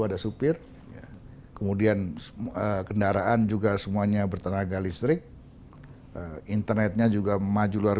ada supir kemudian kendaraan juga semuanya bertenaga listrik internetnya juga maju luar